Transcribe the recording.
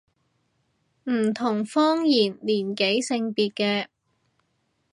唔同方言年紀性別嘅